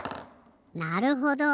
なるほど。